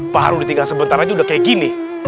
baru ditinggal sebentar saja udah seperti ini